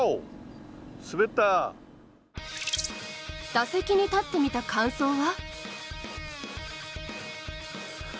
打席に立ってみた感想は？